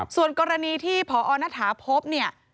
ส่วนกรณีที่พอณฐาพบเนี่ย